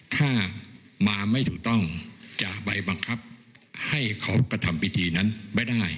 ถ้ามาไม่ถูกต้องจะไปบังคับให้เขากระทำพิธีนั้นไม่ได้